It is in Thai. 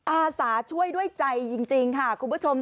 อาสาช่วยด้วยใจจริงค่ะคุณผู้ชม